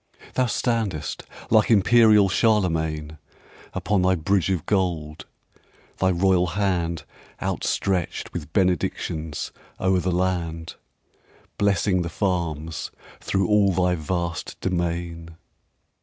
Thou standest, like imperial Charlemagne, Upon thy bridge of gold; thy royal handOutstretched with benedictions o'er the land, Blessing the farms through all thy vast domain.